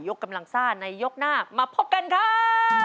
ยกกำลังส้าในยกหน้ามาพบกันครับ